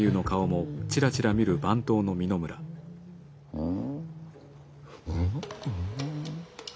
うん。